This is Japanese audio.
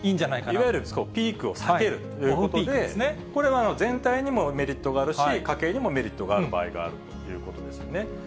いわゆるピークを避けることで、これは全体にもメリットがあるし、家計にもメリットがある場合があるということですよね。